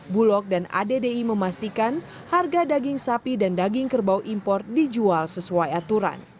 bulog dan addi memastikan harga daging sapi dan daging kerbau impor dijual sesuai aturan